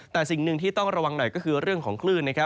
แต่สิ่งหนึ่งที่ต้องระวังหน่อยก็คือเรื่องของคลื่น